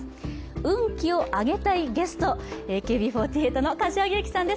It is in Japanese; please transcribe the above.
運気を上げたいゲスト、ＡＫＢ４８の柏木由紀さんです。